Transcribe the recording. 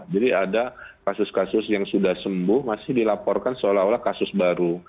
jadi ada kasus kasus yang sudah sembuh masih dilaporkan seolah olah kasus baru